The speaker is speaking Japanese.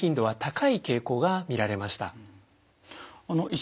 はい。